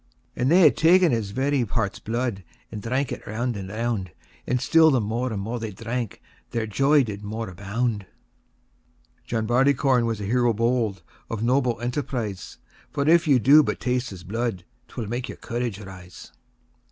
XII. And they ha'e ta'en his very heart's blood, And drank it round and round; And still the more and more they drank, Their joy did more abound. XIII. John Barleycorn was a hero bold, Of noble enterprise; For if you do but taste his blood, 'Twill make your courage rise.